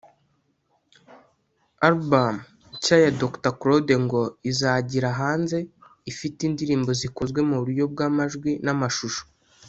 Album nshya ya Dr Claude ngo izagira hanze ifite indirimbo zikozwe mu buryo bw’amajwi n’amashusho